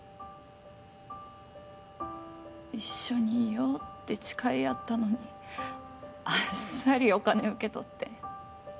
一緒にいようって誓い合ったのにあっさりお金受け取って。